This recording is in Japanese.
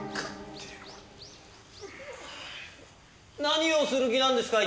何をする気なんですか？